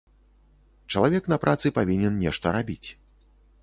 Чалавек на працы павінен нешта рабіць.